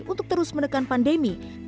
untuk terus menekan pandemi